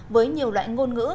với nhiều loại ngôn ngữ